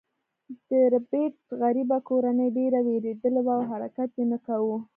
د ربیټ غریبه کورنۍ ډیره ویریدلې وه او حرکت یې نه کاوه